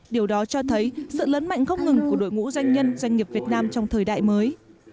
điều đó cho thấy sự lớn mạnh không ngừng của đội ngũ doanh nhân doanh nghiệp việt nam trong thời đại mới